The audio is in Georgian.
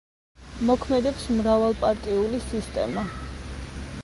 მოქმედებს მრავალპარტიული სისტემა.